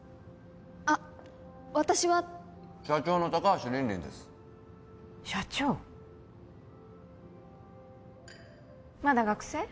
あっ私は社長の高橋凜々です社長まだ学生？